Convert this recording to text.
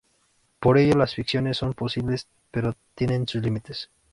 Por ello las ficciones son posibles, pero tienen sus límites.